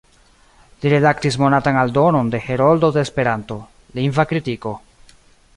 Li redaktis monatan aldonon de "Heroldo de Esperanto: Lingva Kritiko.